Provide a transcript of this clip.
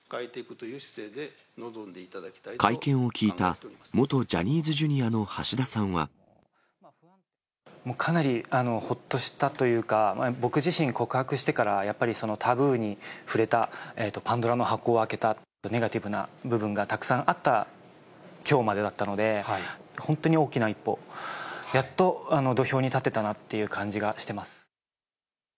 会見を聞いた元ジャニーズＪかなりほっとしたというか、僕自身、告白してから、やっぱりタブーに触れた、パンドラの箱を開けた、ネガティブな部分がたくさんあったきょうまでだったので、本当に大きな一歩、やっと土俵に立てたなっていう感じがしてます。